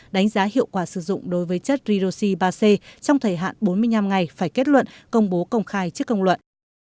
đánh giá hiệu quả sử dụng đối với chất ridosy ba c trong thời hạn bốn mươi năm ngày phải kết luận công bố công khai trước công luận